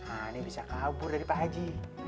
ah ini bisa kabur dari pak haji